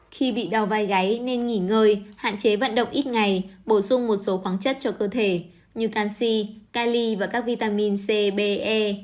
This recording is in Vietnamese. khi bị đau vai gáy nên nghỉ ngơi hạn chế vận động ít ngày bổ sung một số khoáng chất cho cơ thể như canxi kali và các vitamin c b e